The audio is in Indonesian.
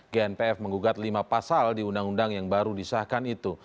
gnpf mengugat lima pasal di undang undang yang baru disahkan itu